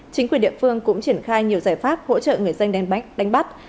chính quyền địa phương cũng triển khai nhiều giải pháp hỗ trợ người dân đánh bắt